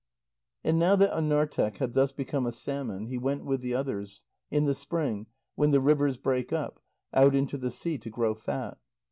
And now that Anarteq had thus become a salmon, he went with the others, in the spring, when the rivers break up, out into the sea to grow fat.